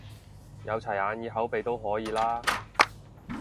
有齊眼耳口鼻都可以啦？